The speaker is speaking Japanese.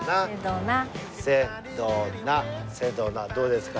「セドナ」どうですか？